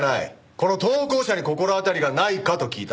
この投稿者に心当たりがないかと聞いたんだ。